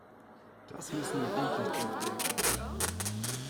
Das müssen wir gründlich durchdenken.